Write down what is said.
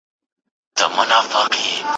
د سینې پر باغ دي راسي د سړو اوبو رودونه.